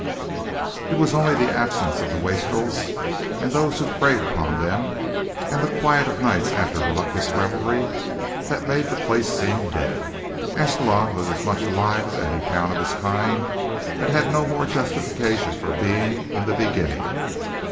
It was only the absence of the wastrels and those who preyed upon them, and the quiet of nights after raucous revelry, that made the place seem dead. Ascalon was as much alive as any town of its kind that had no more justification for being in the beginning.